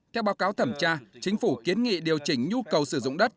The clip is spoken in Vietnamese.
theo báo cáo thẩm tra chính phủ kiến nghị điều chỉnh nhu cầu sử dụng đất